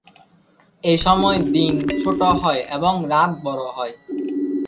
এসময় দিন ছোট হয় এবং রাত বড় হয়।